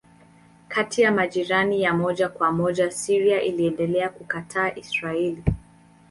Kati ya majirani ya moja kwa moja Syria iliendelea kukataa Israeli.